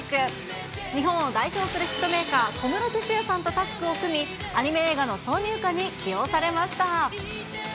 日本を代表するヒットメーカー、小室哲哉さんとタッグを組み、アニメ映画の挿入歌に起用されました。